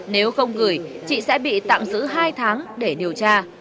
nếu không gửi chị sẽ bị tạm giữ hai tháng để điều tra